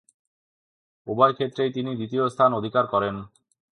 উভয় ক্ষেত্রেই তিনি দ্বিতীয় স্থান অধিকার করেন।